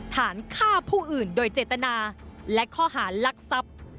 ฐานฆ่าผู้อื่นโดยเจตนาและข้อหารลักทรัพย์